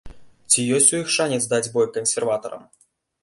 Ці ёсць у іх шанец даць бой кансерватарам?